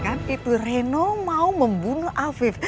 kan itu reno mau membunuh afif